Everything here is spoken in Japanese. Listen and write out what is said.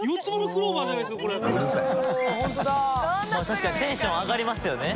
確かにテンション上がりますよね